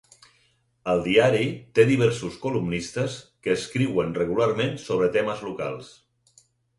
El diari té diversos columnistes que escriuen regularment sobre temes locals.